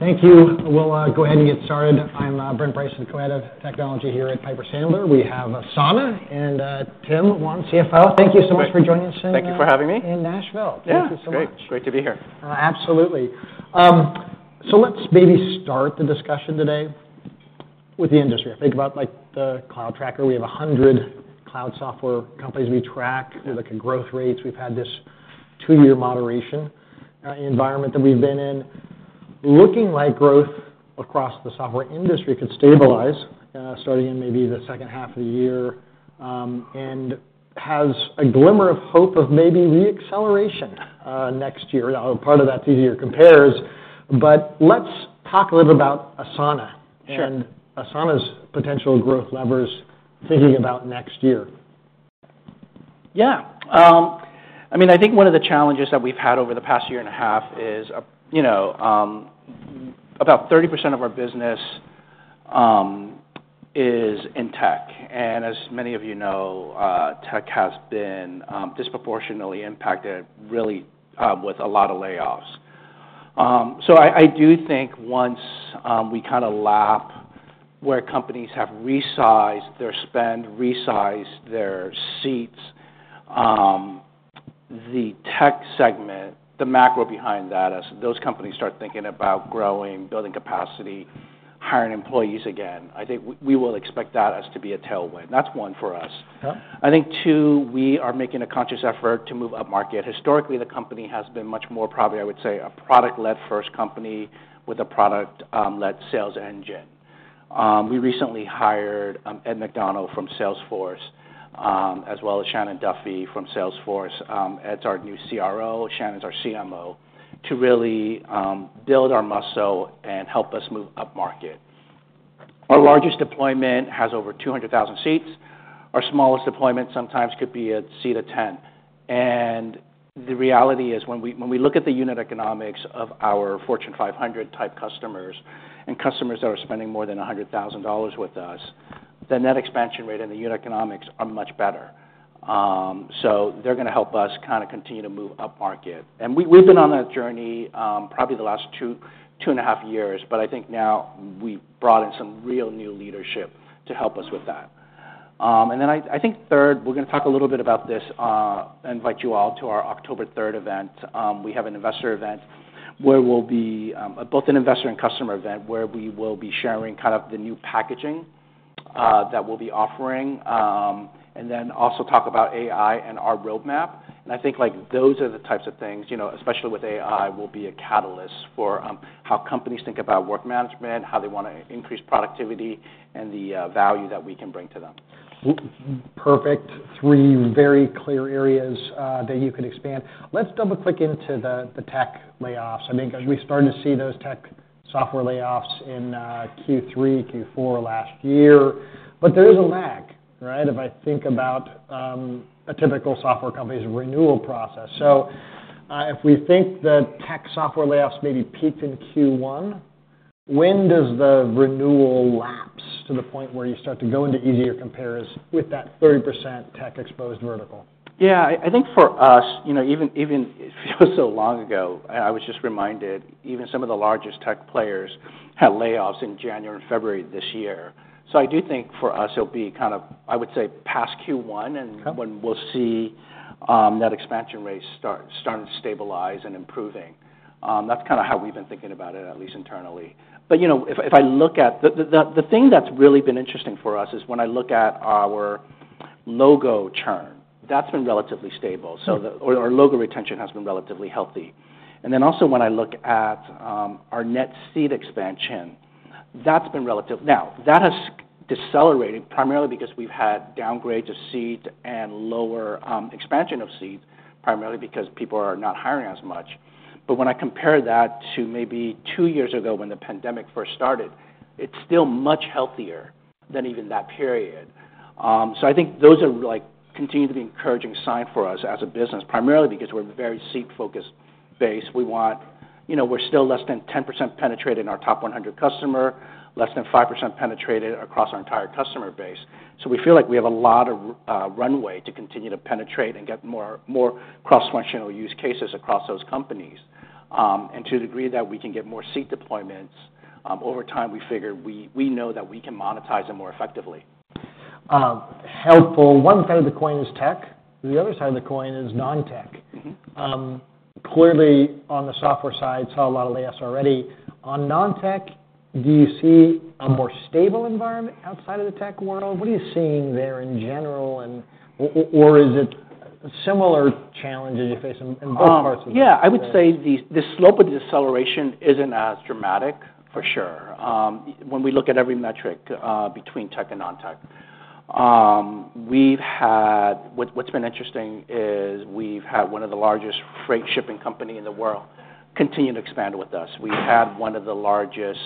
Thank you. We'll go ahead and get started. I'm Brent Bracelin, the Co-Head of Technology here at Piper Sandler. We have Asana and Tim Wan, CFO. Thank you so much for joining us today. Thank you for having me. -in Nashville. Yeah. Thank you so much. Great. It's great to be here. Absolutely. So let's maybe start the discussion today with the industry. Think about, like, the cloud tracker. We have 100 cloud software companies we track. Yeah. We look at growth rates. We've had this two-year moderation, environment that we've been in. Looking like growth across the software industry could stabilize, starting in maybe the second half of the year, and has a glimmer of hope of maybe re-acceleration, next year. Now, part of that's easier compares, but let's talk a little about Asana- Sure and Asana's potential growth levers, thinking about next year. Yeah. I mean, I think one of the challenges that we've had over the past year and a half is, you know, about 30% of our business is in tech. And as many of you know, tech has been disproportionately impacted really with a lot of layoffs. So I do think once we kinda lap where companies have resized their spend, resized their seats, the tech segment, the macro behind that, as those companies start thinking about growing, building capacity, hiring employees again, I think we will expect that as to be a tailwind. That's one for us. Yeah. I think, too, we are making a conscious effort to move upmarket. Historically, the company has been much more, probably, I would say, a product-led first company with a product-led sales engine. We recently hired Ed McDonnell from Salesforce, as well as Shannon Duffy from Salesforce. Ed's our new CRO, Shannon's our CMO, to really build our muscle and help us move upmarket. Our largest deployment has over 200,000 seats. Our smallest deployment sometimes could be a seat of 10. And the reality is, when we, when we look at the unit economics of our Fortune 500-type customers, and customers that are spending more than $100,000 with us, the net expansion rate and the unit economics are much better. So they're gonna help us kinda continue to move upmarket. And we've been on that journey, probably the last 2.5 years, but I think now we've brought in some real new leadership to help us with that. And then I think third, we're gonna talk a little bit about this, invite you all to our October 3rd event. We have an investor event where we'll be both an investor and customer event, where we will be sharing kind of the new packaging that we'll be offering, and then also talk about AI and our roadmap. And I think, like, those are the types of things, you know, especially with AI, will be a catalyst for how companies think about work management, how they wanna increase productivity, and the value that we can bring to them. Mm-hmm. Perfect. Three very clear areas that you could expand. Let's double-click into the tech layoffs. I mean, 'cause we're starting to see those tech software layoffs in Q3, Q4 last year, but there is a lag, right? If I think about a typical software company's renewal process. So, if we think the tech software layoffs maybe peaked in Q1, when does the renewal lapse to the point where you start to go into easier compares with that 30% tech-exposed vertical? Yeah. I think for us, you know, even so long ago, I was just reminded, even some of the largest tech players had layoffs in January and February this year. So I do think for us, it'll be kind of, I would say, past Q1, and- Okay... when we'll see that expansion rate starting to stabilize and improving. That's kinda how we've been thinking about it, at least internally. But, you know, if I look at... The thing that's really been interesting for us is when I look at our Logo Churn, that's been relatively stable. Mm. So, our logo retention has been relatively healthy. And then also, when I look at our net seat expansion, that's been relatively. Now, that has decelerated primarily because we've had downgrades of seats and lower expansion of seats, primarily because people are not hiring as much. But when I compare that to maybe two years ago when the pandemic first started, it's still much healthier than even that period. So I think those are, like, continue to be encouraging sign for us as a business, primarily because we're a very seat-focused base. We want. You know, we're still less than 10% penetrated in our top 100 customer, less than 5% penetrated across our entire customer base. So we feel like we have a lot of runway to continue to penetrate and get more, more cross-functional use cases across those companies. To the degree that we can get more seat deployments, over time, we figure we know that we can monetize them more effectively. Helpful. One side of the coin is tech, the other side of the coin is non-tech. Mm-hmm. Clearly, on the software side, saw a lot of layoffs already. On non-tech, do you see a more stable environment outside of the tech world? What are you seeing there in general, and or is it similar challenges you face in both parts of the business? Yeah, I would say the slope of deceleration isn't as dramatic, for sure, when we look at every metric between tech and non-tech. We've had— What's been interesting is we've had one of the largest freight shipping company in the world continue to expand with us. We've had one of the largest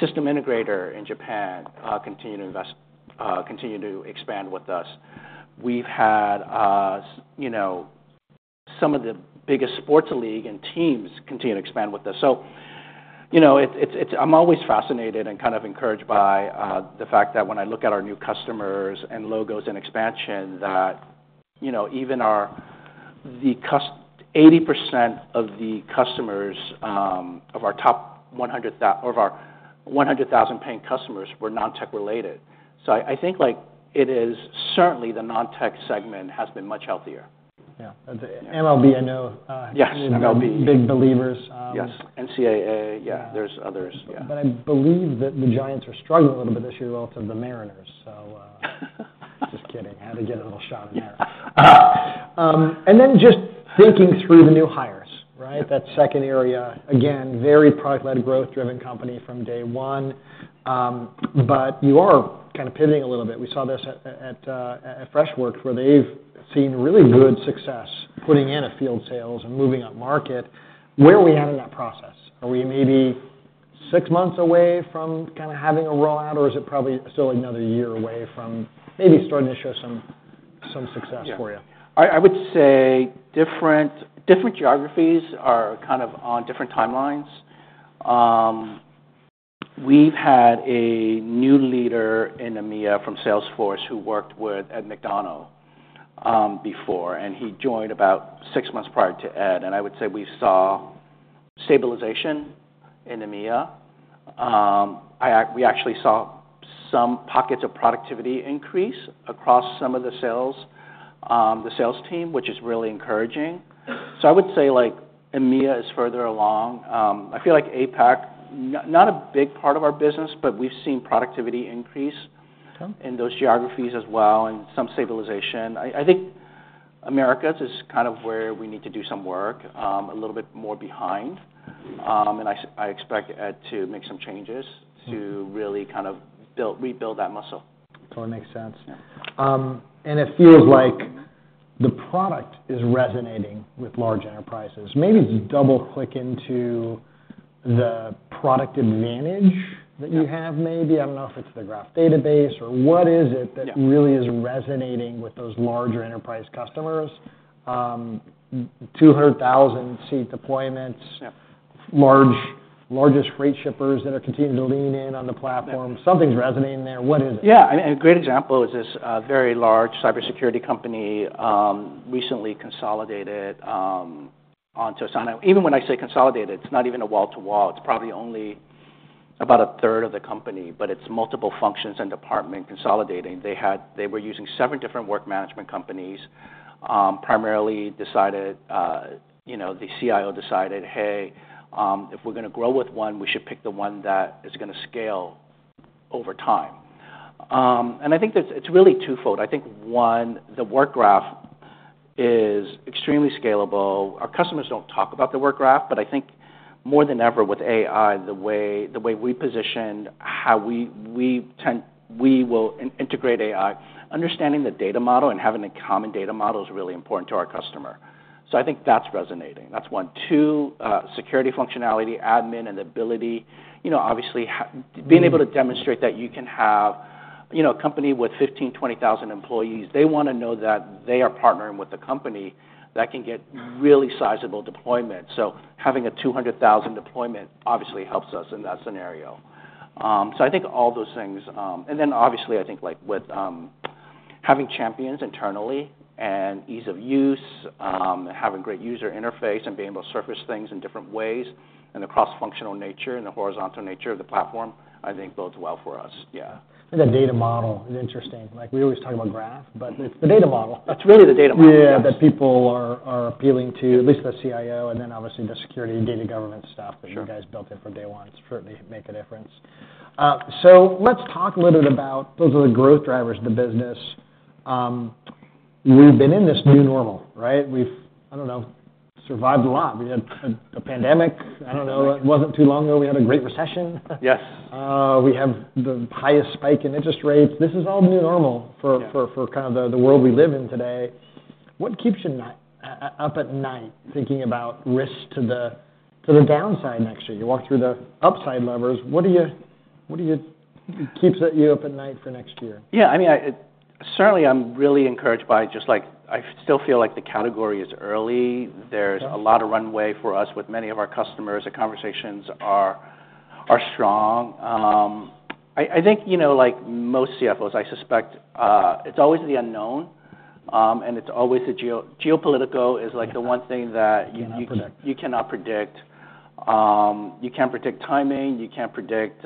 system integrator in Japan continue to expand with us. We've had, you know, some of the biggest sports league and teams continue to expand with us. So, you know, it's— I'm always fascinated and kind of encouraged by the fact that when I look at our new customers, and logos, and expansion, that... you know, even our 80% of the customers of our 100,000 paying customers were non-tech related. So I think like it is certainly the non-tech segment has been much healthier. Yeah. The MLB, I know, Yes, MLB. Big believers, Yes, NCAA. Yeah. There's others, yeah. But I believe that the Giants are struggling a little bit this year relative to the Mariners, so, just kidding. Had to get a little shot in there. And then just thinking through the new hires, right? Yeah. That second area, again, very product-led, growth-driven company from day one. But you are kind of pivoting a little bit. We saw this at Freshworks, where they've seen really good success putting in a field sales and moving upmarket. Where are we at in that process? Are we maybe six months away from kind of having a rollout, or is it probably still another year away from maybe starting to show some success for you? Yeah. I would say different geographies are kind of on different timelines. We've had a new leader in EMEA from Salesforce who worked with Ed McDonnell before, and he joined about six months prior to Ed, and I would say we saw stabilization in EMEA. We actually saw some pockets of productivity increase across some of the sales, the sales team, which is really encouraging. So I would say, like, EMEA is further along. I feel like APAC, not a big part of our business, but we've seen productivity increase- Okay... in those geographies as well, and some stabilization. I think Americas is kind of where we need to do some work, a little bit more behind. And I expect Ed to make some changes- Mm... to really kind of build, rebuild that muscle. It makes sense. Yeah. It feels like the product is resonating with large enterprises. Maybe double-click into the product advantage- Yeah ... that you have maybe. I don't know if it's the graph database or what is it? Yeah... that really is resonating with those larger enterprise customers? 200,000 seat deployments- Yeah... largest freight shippers that are continuing to lean in on the platform. Yeah. Something's resonating there. What is it? Yeah, and a great example is this very large cybersecurity company recently consolidated onto Asana. Even when I say consolidated, it's not even a wall-to-wall, it's probably only about a third of the company, but it's multiple functions and department consolidating. They had—they were using seven different work management companies, primarily decided, you know, the CIO decided, "Hey, if we're gonna grow with one, we should pick the one that is gonna scale over time." And I think that it's really twofold. I think, one, the Work Graph is extremely scalable. Our customers don't talk about the Work Graph, but I think more than ever with AI, the way we position how we will integrate AI, understanding the data model and having a common data model is really important to our customer. So I think that's resonating. That's one. Two, security functionality, admin, and ability. You know, obviously, being able to demonstrate that you can have, you know, a company with 15-20,000 employees, they wanna know that they are partnering with a company that can get really sizable deployment. So having a 200,000 deployment obviously helps us in that scenario. So I think all those things. And then obviously, I think, like, with, having champions internally and ease of use, having great user interface and being able to surface things in different ways, and the cross-functional nature and the horizontal nature of the platform, I think bodes well for us. Yeah. The data model is interesting. Like, we always talk about graph, but- Mm... it's the data model. It's really the data model, yes. Yeah, that people are appealing to, at least the CIO, and then obviously the security and data governance stuff... Sure... that you guys built in from day one certainly make a difference. So let's talk a little bit about those are the growth drivers of the business. We've been in this new normal, right? We've, I don't know, survived a lot. We had a pandemic. A pandemic. I don't know, it wasn't too long ago, we had a great recession. Yes. We have the highest spike in interest rates. This is all new normal for- Yeah... for kind of the world we live in today. What keeps you up at night thinking about risks to the downside next year? You walk through the upside levers. What keeps you up at night for next year? Yeah, I mean, certainly, I'm really encouraged by just, like, I still feel like the category is early. Yeah. There's a lot of runway for us with many of our customers, the conversations are strong. I think, you know, like most CFOs, I suspect, it's always the unknown, and it's always the geopolitical is like the one thing that you- Cannot predict... you cannot predict. You can't predict timing, you can't predict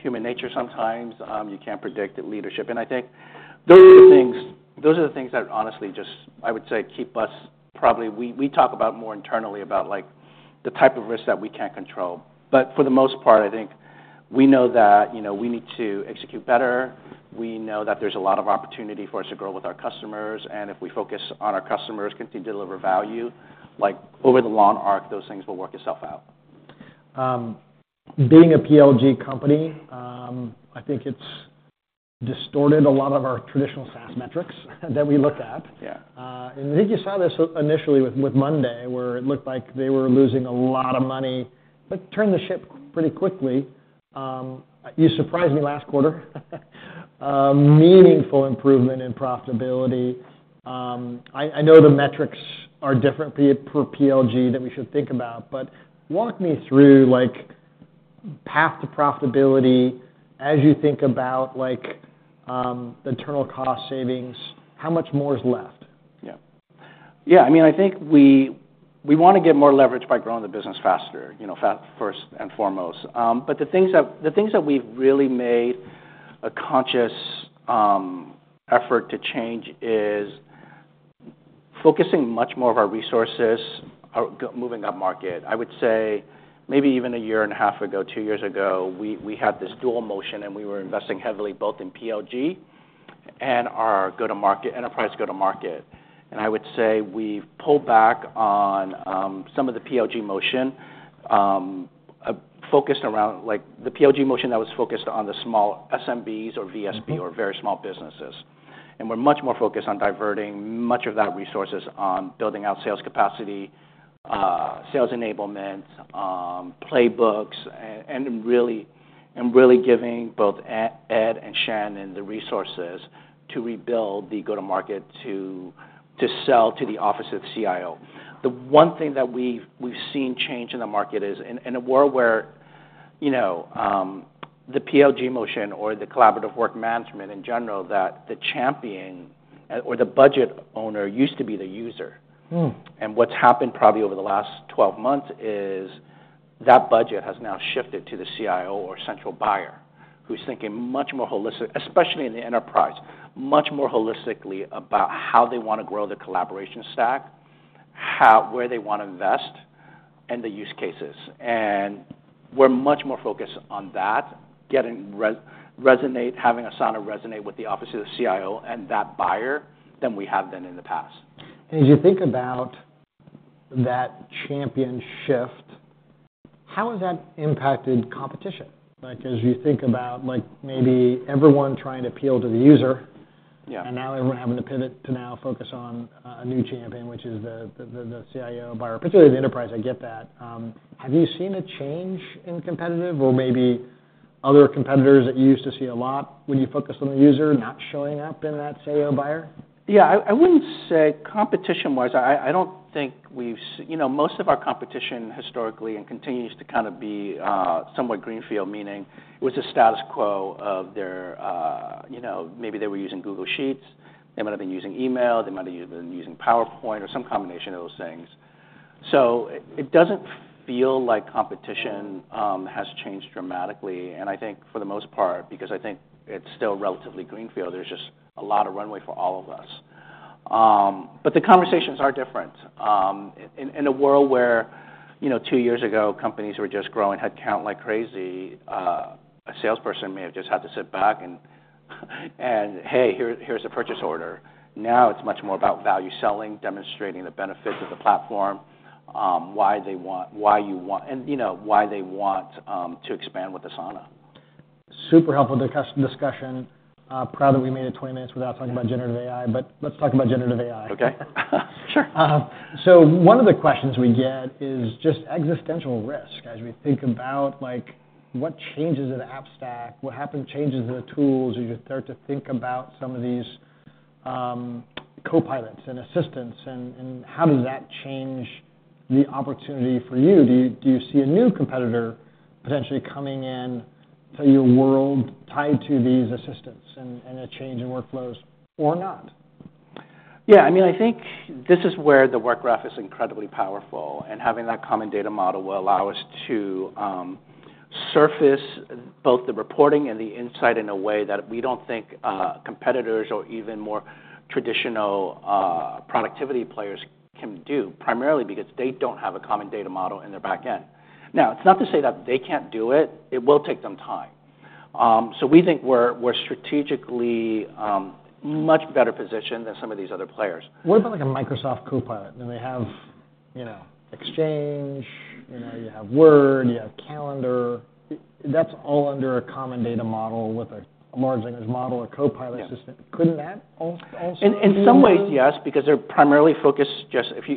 human nature sometimes, you can't predict the leadership. And I think those are the things, those are the things that honestly just, I would say, keep us probably... We talk about more internally about, like, the type of risks that we can't control. But for the most part, I think we know that, you know, we need to execute better. We know that there's a lot of opportunity for us to grow with our customers, and if we focus on our customers, continue to deliver value, like, over the long arc, those things will work itself out. Being a PLG company, I think it's distorted a lot of our traditional SaaS metrics that we look at. Yeah. I think you saw this initially with Monday, where it looked like they were losing a lot of money, but turned the ship pretty quickly. You surprised me last quarter, meaningful improvement in profitability. I know the metrics are different per PLG than we should think about, but walk me through, like path to profitability as you think about, like, the internal cost savings, how much more is left? Yeah. Yeah, I mean, I think we, we wanna get more leverage by growing the business faster, you know, first and foremost. But the things that, the things that we've really made a conscious effort to change is focusing much more of our resources, moving upmarket. I would say maybe even a year and a half ago, two years ago, we, we had this dual motion, and we were investing heavily both in PLG and our go-to-market, enterprise go-to-market. And I would say we've pulled back on some of the PLG motion, focused around like the PLG motion that was focused on the small SMBs or VSB, or very small businesses. We're much more focused on diverting much of that resources on building out sales capacity, sales enablement, playbooks, and really giving both Ed and Shannon the resources to rebuild the go-to-market to sell to the office of the CIO. The one thing that we've seen change in the market is, in a world where, you know, the PLG motion or the collaborative work management in general, that the champion or the budget owner used to be the user. Hmm. What's happened probably over the last 12 months is that budget has now shifted to the CIO or central buyer, who's thinking much more holistic, especially in the enterprise, much more holistically about how they wanna grow the collaboration stack, where they wanna invest, and the use cases. We're much more focused on that, having Asana resonate with the office of the CIO and that buyer, than we have been in the past. As you think about that champion shift, how has that impacted competition? Like, as you think about, like, maybe everyone trying to appeal to the user- Yeah... and now everyone having to pivot to now focus on a new champion, which is the CIO buyer, particularly the enterprise. I get that. Have you seen a change in competitive or maybe other competitors that you used to see a lot when you focus on the user not showing up in that CIO buyer? Yeah, I wouldn't say competition-wise. I don't think we've seen. You know, most of our competition historically, and continues to kind of be, somewhat greenfield, meaning it was the status quo of their. You know, maybe they were using Google Sheets, they might have been using email, they might have even been using PowerPoint or some combination of those things. So it doesn't feel like competition has changed dramatically, and I think for the most part, because I think it's still relatively greenfield, there's just a lot of runway for all of us. But the conversations are different. In a world where, you know, two years ago, companies were just growing, head count like crazy, a salesperson may have just had to sit back and, "Hey, here's a purchase order." Now, it's much more about value selling, demonstrating the benefits of the platform, why they want... And, you know, why they want to expand with Asana. Super helpful to have this discussion. I'm proud that we made it 20 minutes without talking about Generative AI, but let's talk about Generative AI. Okay. Sure. So one of the questions we get is just existential risk. As we think about, like, what changes in the app stack, what happened changes in the tools, as you start to think about some of these, copilots and assistants, and, and how does that change the opportunity for you? Do you, do you see a new competitor potentially coming in to your world tied to these assistants and, and a change in workflows or not? Yeah, I mean, I think this is where the Work Graph is incredibly powerful, and having that common data model will allow us to surface both the reporting and the insight in a way that we don't think competitors or even more traditional productivity players can do, primarily because they don't have a common data model in their back end. Now, it's not to say that they can't do it. It will take them time. So we think we're strategically much better positioned than some of these other players. What about, like, a Microsoft Copilot? Then they have, you know, Exchange, you know, you have Word, you have Calendar. That's all under a common data model with a large language model or Copilot- Yeah... assistant. Couldn't that also do that? In some ways, yes, because they're primarily focused just... If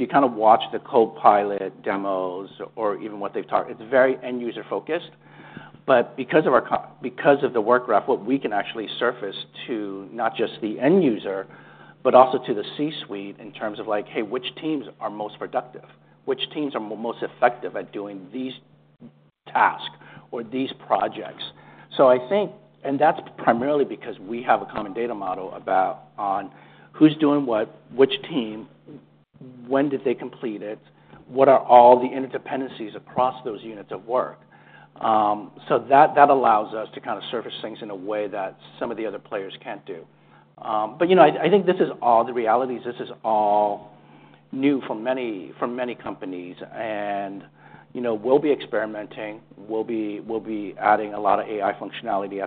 you kind of watch the Copilot demos or even what they've talked, it's very end-user focused. But because of the Work Graph, what we can actually surface to not just the end user, but also to the C-suite in terms of like, "Hey, which teams are most productive? Which teams are most effective at doing these tasks or these projects?" So I think, and that's primarily because we have a common data model about on who's doing what, which team, when did they complete it, what are all the interdependencies across those units of work. So that allows us to kind of surface things in a way that some of the other players can't do. But, you know, I think this is all the realities, this is all new for many companies. And, you know, we'll be experimenting, we'll be adding a lot of AI functionality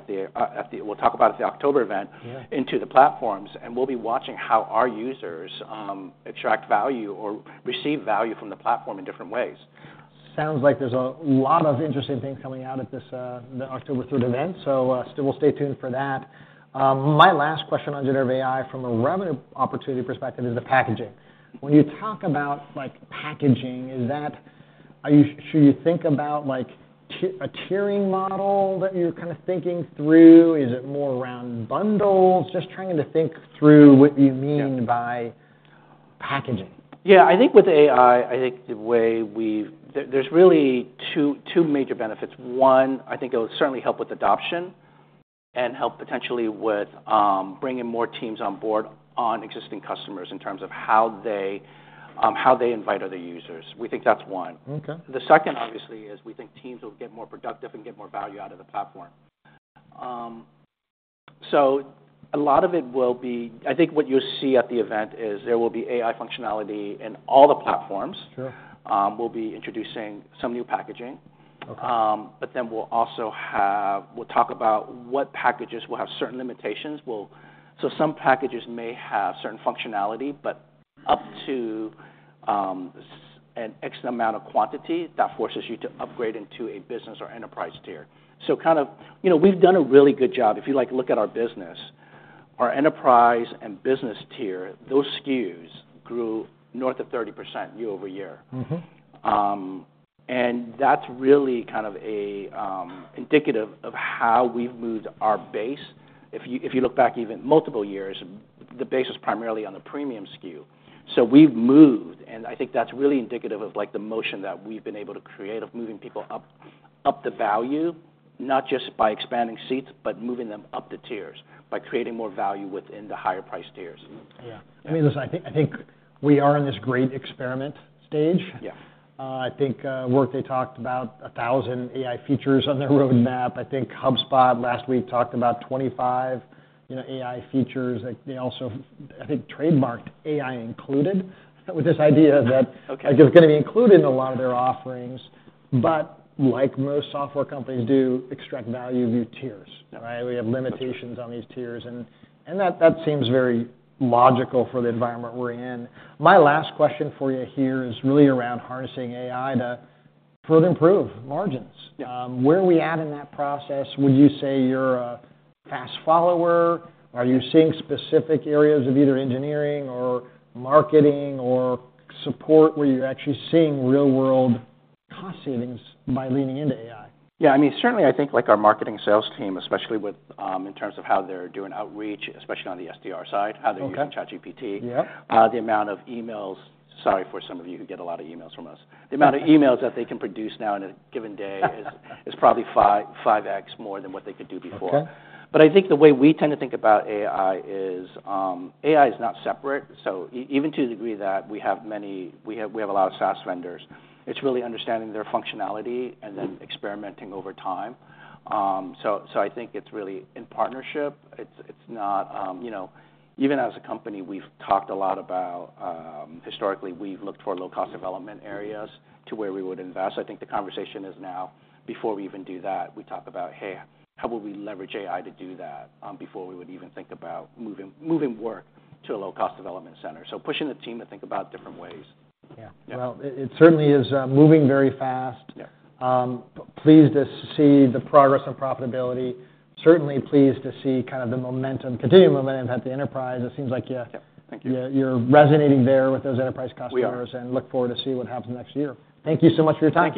we'll talk about at the October event- Yeah... into the platforms, and we'll be watching how our users attract value or receive value from the platform in different ways. Sounds like there's a lot of interesting things coming out at this, the October 3rd event, so we'll stay tuned for that. My last question on Generative AI from a revenue opportunity perspective is the packaging. When you talk about, like, packaging, is that a tiering model that you're kind of thinking through? Is it more around bundles? Just trying to think through what you mean- Yeah... by... packaging? Yeah, I think with AI, I think the way we've, there's really two, two major benefits. One, I think it'll certainly help with adoption and help potentially with, bringing more teams on board on existing customers in terms of how they, how they invite other users. We think that's one. Okay. The second, obviously, is we think teams will get more productive and get more value out of the platform. So a lot of it will be. I think what you'll see at the event is there will be AI functionality in all the platforms. Sure. We'll be introducing some new packaging. Okay. But then we'll also have. We'll talk about what packages will have certain limitations. We'll, so some packages may have certain functionality, but up to an X amount of quantity, that forces you to upgrade into a business or enterprise tier. So kind of, you know, we've done a really good job. If you, like, look at our business, our enterprise and business tier, those SKUs grew north of 30% year-over-year. Mm-hmm. And that's really kind of a indicative of how we've moved our base. If you, if you look back even multiple years, the base is primarily on the premium SKU. So we've moved, and I think that's really indicative of, like, the motion that we've been able to create, of moving people up, up the value, not just by expanding seats, but moving them up the tiers, by creating more value within the higher priced tiers. Yeah. I mean, listen, I think, I think we are in this great experiment stage. Yeah. I think Workday talked about 1,000 AI features on their roadmap. I think HubSpot last week talked about 25, you know, AI features. Like, they also, I think, trademarked AI included, with this idea that- Okay... like, it's gonna be included in a lot of their offerings. But like most software companies do, extract value via tiers, right? Okay. We have limitations on these tiers, and that seems very logical for the environment we're in. My last question for you here is really around harnessing AI to further improve margins. Yeah. Where are we at in that process? Would you say you're a fast follower? Are you seeing specific areas of either engineering or marketing or support, where you're actually seeing real-world cost savings by leaning into AI? Yeah, I mean, certainly I think, like, our marketing sales team, especially with, in terms of how they're doing outreach, especially on the SDR side- Okay... how they're using ChatGPT. Yeah. The amount of emails. Sorry for some of you who get a lot of emails from us. The amount of emails that they can produce now in a given day is probably 5x more than what they could do before. Okay. But I think the way we tend to think about AI is, AI is not separate. So even to the degree that we have a lot of SaaS vendors, it's really understanding their functionality and then experimenting over time. So I think it's really in partnership. It's not, you know, even as a company, we've talked a lot about, historically, we've looked for low-cost development areas to where we would invest. I think the conversation is now, before we even do that, we talk about, "Hey, how will we leverage AI to do that?" Before we would even think about moving work to a low-cost development center. So pushing the team to think about different ways. Yeah. Yeah. Well, it, it certainly is moving very fast. Yeah. Pleased to see the progress on profitability. Certainly pleased to see kind of the momentum, continuing momentum at the enterprise. It seems like you- Yeah. Thank you.... you're resonating there with those enterprise customers- We are... and look forward to see what happens next year. Thank you so much for your time.